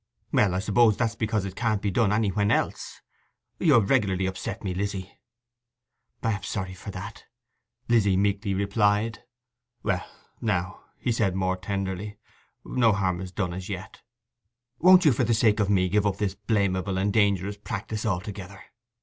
'Well, I suppose that's because it can't be done anywhen else ... You have regularly upset me, Lizzy.' 'I am sorry for that,' Lizzy meekly replied. 'Well now,' said he more tenderly, 'no harm is done as yet. Won't you for the sake of me give up this blamable and dangerous practice altogether?